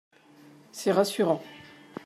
C’est rassurant.